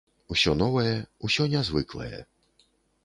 Усё новае, усё нязвыклае.